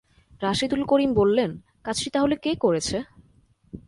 রাশেদুল করিম বললেন, কাজটি তাহলে কে করেছে?